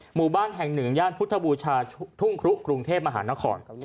หมู่บ้านแห่งหนึ่งย่านพุทธบูชาทุ่งครุกรุงเทพมหานคร